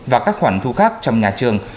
và các khoản thu khác trong nhà trường